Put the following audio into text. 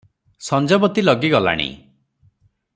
ସଞ୍ଜବତୀ ଲଗି ଗଲାଣି ।